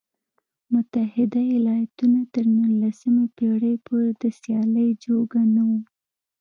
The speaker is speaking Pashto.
متحده ایالتونه تر نولسمې پېړۍ پورې د سیالۍ جوګه نه و.